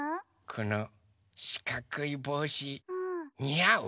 このしかくいぼうしにあう？